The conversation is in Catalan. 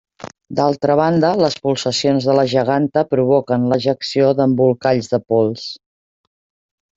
D'altra banda, les pulsacions de la geganta provoquen l'ejecció d'embolcalls de pols.